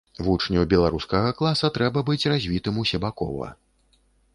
Вучню беларускага класа трэба быць развітым усебакова.